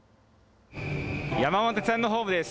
山手線のホームです。